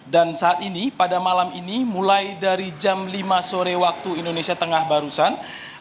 dan saat ini pada malam ini mulai dari jam lima sore waktu indonesia tengah barusan